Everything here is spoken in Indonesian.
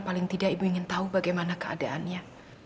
paling tidak ibu ingin tahu bagaimana keadaannya